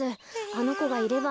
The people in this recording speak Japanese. あのこがいれば。